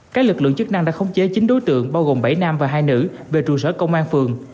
các lực lượng chức năng đã khống chế chín đối tượng bao gồm bảy nam và hai nữ về trụ sở công an phường